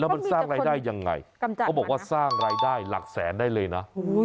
มันสร้างรายได้ยังไงเขาบอกว่าสร้างรายได้หลักแสนได้เลยนะ